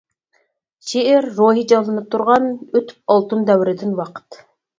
شېئىر روھى جانلىنىپ تۇرغان، ئۆتۈپ ئالتۇن دەۋرىدىن ۋاقىت.